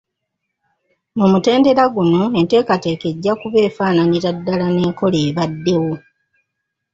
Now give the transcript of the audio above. Mu mutendera guno enteekateeka ejja kuba efaananira ddala n’enkola ebaddewo.